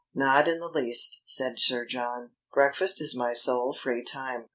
"Not in the least," said Sir John. "Breakfast is my sole free time.